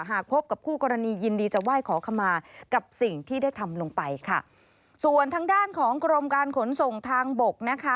หากพบกับคู่กรณียินดีจะไหว้ขอขมากับสิ่งที่ได้ทำลงไปค่ะส่วนทางด้านของกรมการขนส่งทางบกนะคะ